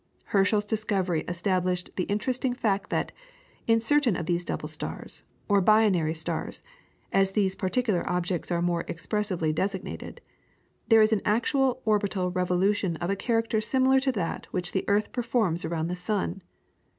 Herschel's discovery established the interesting fact that, in certain of these double stars, or binary stars, as these particular objects are more expressively designated, there is an actual orbital revolution of a character similar to that which the earth performs around the sun.